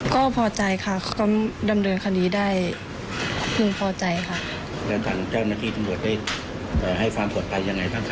ก็พอใจค่ะก็ดำเนินคันนี้ได้พึงพอใจค่ะ